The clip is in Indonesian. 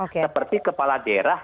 seperti kepala daerah